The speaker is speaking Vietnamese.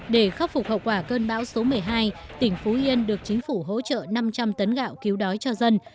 để khắc phục hậu quả cơn bão số một mươi hai tỉnh phú yên được chính phủ hỗ trợ năm trăm linh tấn gạo cứu đói cho dân